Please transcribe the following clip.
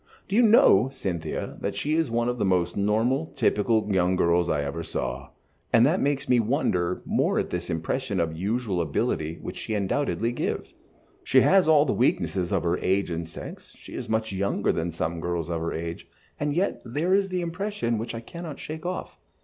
Do you know, Cynthia, that she is one of the most normal, typical young girls I ever saw, and that makes me wonder more at this impression of unusual ability which she undoubtedly gives. She has all the weaknesses of her age and sex, she is much younger than some girls of her age, and yet there is the impression which I cannot shake off."